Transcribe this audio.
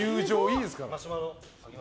いいですから。